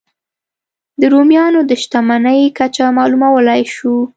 د رومیانو د شتمنۍ کچه معلومولای شو.